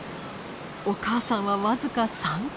お母さんはわずか３回。